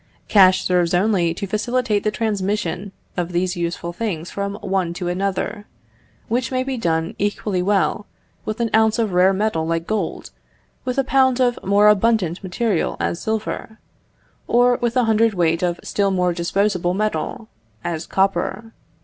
Cash serves only to facilitate the transmission of these useful things from one to another, which may be done equally well with an ounce of rare metal like gold, with a pound of more abundant material as silver, or with a hundred weight of still more abundant metal, as copper.